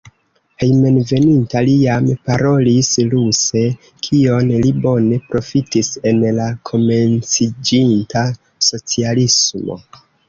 Hejmenveninta li jam parolis ruse, kion li bone profitis en la komenciĝinta socialismo.